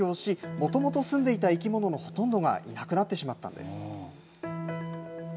もともとすんでいた生き物のほとんどがいなくなってしまったんです。